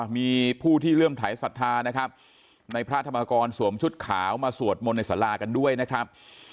มีผู้ที่เริ่มถ่ายศรัทธานะครับในพระธรรมกรสวมชุดขาวมาสวดมนต์ในสารากันด้วยนะครับ